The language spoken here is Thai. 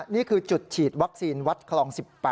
นี่คือจุดฉีดวัคซีนวัดคลอง๑๘